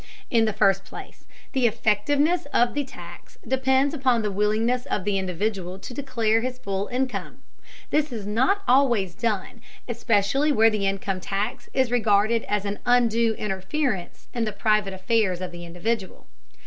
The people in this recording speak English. In the first place, the effectiveness of the tax depends upon the willingness of the individual to declare his full income. This is not always done, especially where the income tax is regarded as an undue interference in the private affairs of the individual.